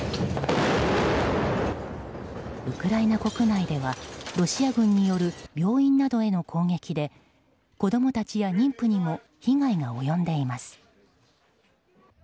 ウクライナ国内ではロシア軍による病院などへの攻撃で子供たちや妊婦にも被害が及んでいます。